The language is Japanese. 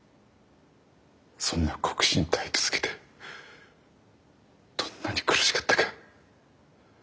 そんな酷使に耐え続けてどんなに苦しかったか。